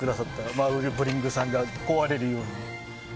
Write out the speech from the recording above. マーブリングさんが壊れるように。